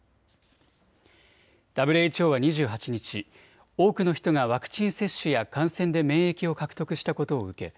ＷＨＯは２８日、多くの人がワクチン接種や感染で免疫を獲得したことを受け